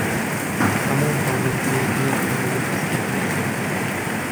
هەموو باڵندەیەک ناتوانێت بچڕێت.